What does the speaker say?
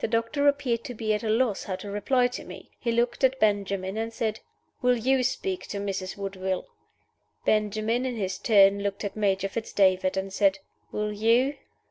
The doctor appeared to be at a loss how to reply to me. He looked at Benjamin, and said, "Will you speak to Mrs. Woodville?" Benjamin, in his turn, looked at Major Fitz David, and said, "Will _you?